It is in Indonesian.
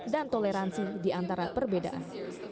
dan toleransi di antara perbedaan